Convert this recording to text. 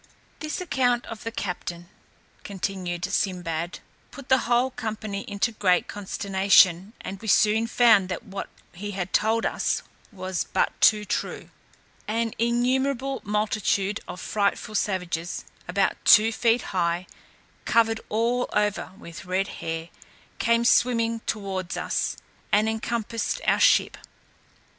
This account of the captain, continued Sinbad put the whole company into great consternation and we soon found that what he had told us was but too true; an innumerable multitude of frightful savages, about two feet high, covered all over with red hair, came swimming towards us, and encompassed our ship.